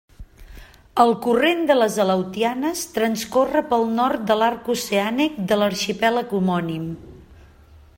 El corrent de les Aleutianes transcorre pel nord de l'arc oceànic de l'arxipèlag homònim.